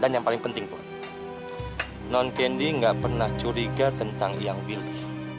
dan yang paling penting tuan nonkendi gak pernah curiga tentang yang willy